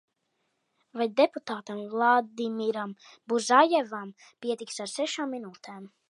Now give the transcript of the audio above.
Vai deputātam Vladimiram Buzajevam pietiks ar sešām minūtēm?